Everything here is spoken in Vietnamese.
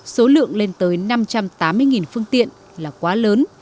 số lượng lên tới năm trăm tám mươi phương tiện là quá lớn